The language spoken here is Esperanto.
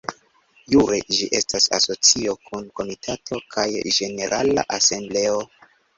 Jure ĝi estas asocio kun Komitato kaj Ĝenerala Asembleo.